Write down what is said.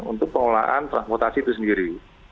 untuk pengelolaan transportasi itu sendiri